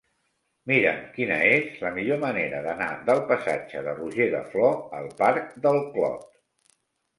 Mira'm quina és la millor manera d'anar del passatge de Roger de Flor al parc del Clot.